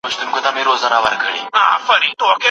پاتې شوني ژر يخچال ته واچوئ.